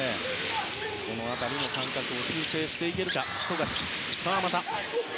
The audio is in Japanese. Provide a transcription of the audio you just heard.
その辺りの感覚を修正していけるか。